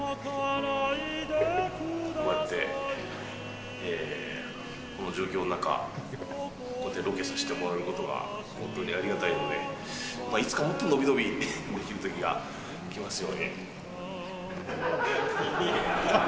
こうやって、この状況の中、こうやってロケさせてもらうことが本当にありがたいので、いつかもっと伸び伸びできるときがきますように。